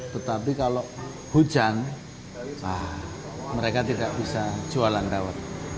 tetapi kalau hujan mereka tidak bisa jualan dawet